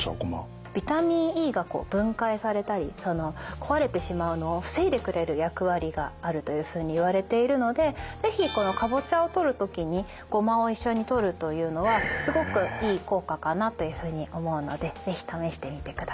ビタミンＥが分解されたり壊れてしまうのを防いでくれる役割があるというふうにいわれているので是非このカボチャをとる時にゴマを一緒にとるというのはすごくいい効果かなというふうに思うので是非試してみてください。